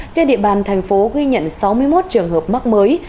trên địa bàn thành phố ghi nhận sáu mươi một trường hợp mắc mới